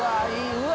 うわ。